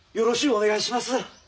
お願いします。